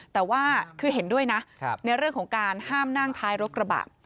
แต่ว่าคือเห็นด้วยนะในเรื่องของการห้ามนั่งท้ายรถกระบะ